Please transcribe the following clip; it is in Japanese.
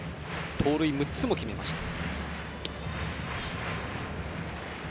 盗塁６つも決めました。